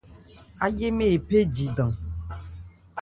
Áyémɛ́n ephé jidan.